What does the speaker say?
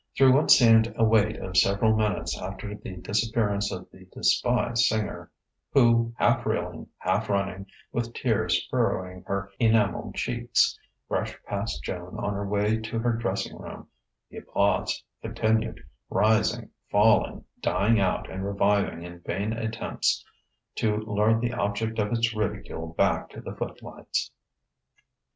Through what seemed a wait of several minutes after the disappearance of the despised singer who, half reeling, half running, with tears furrowing her enameled cheeks, brushed past Joan on her way to her dressing room the applause continued, rising, falling, dying out and reviving in vain attempts to lure the object of its ridicule back to the footlights.